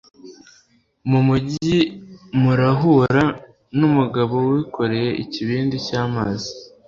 mu mugi murahura n umugabo wikoreye ikibindi cy amazi